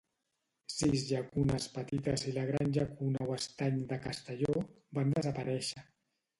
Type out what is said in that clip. Sis llacunes petites i la gran llacuna o estany de Castelló van desaparèixer.